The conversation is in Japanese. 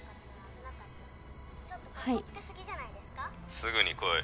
すぐに来い。